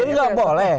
jadi nggak boleh